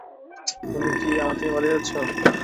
তুমি কি আমার থেকে পালিয়ে যাচ্ছ?